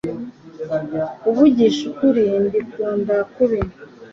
kuvugisha ukuri mbikunda kubi